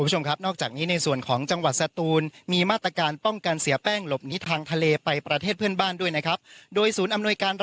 ให้ผลิติการล้างเทียมข้น